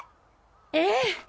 ええ。